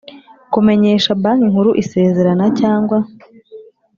kumenyesha Banki Nkuru isezera na cyangwa